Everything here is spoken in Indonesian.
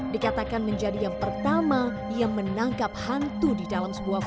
dikatakan menjadi yang pertama ia menangkap hantu di dalam sebuah